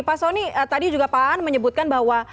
pak sony tadi juga pak aan menyebutkan bahwa